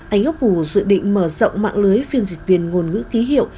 anh úc hù dự định mở rộng mạng lưới phiên dịch viên ngôn ngữ ký hiệu